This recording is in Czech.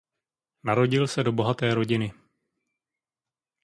Narodil se do bohaté rodiny.